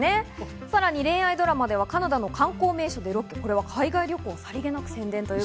さらに恋愛ドラマではカナダの観光名所でロケ、これは海外旅行をさりげなく宣伝です。